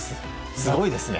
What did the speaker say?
すごいですね。